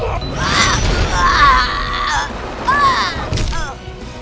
aku akan mengundurmu